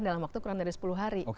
dalam waktu kurang dari sepuluh hari